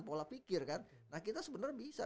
pola pikir kan nah kita sebenarnya bisa